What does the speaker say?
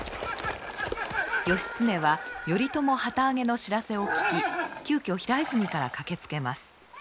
義経は頼朝旗揚げの知らせを聞き急きょ平泉から駆けつけます。